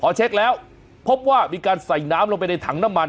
พอเช็คแล้วพบว่ามีการใส่น้ำลงไปในถังน้ำมัน